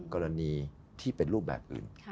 กรณีที่เป็นรูปแบบอื่น